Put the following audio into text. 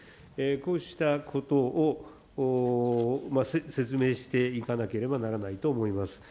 こうしたことを説明していかなければならないと思います。